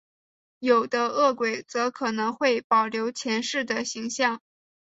有的饿鬼则可能会保留前世的形象。